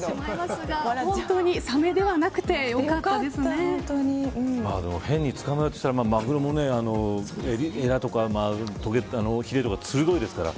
本当にサメではなくてでも、変に捕まえようとしたらマグロもえらとかヒレとか鋭いですから。